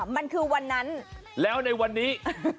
มันคือวันนั้นแล้วในวันนี้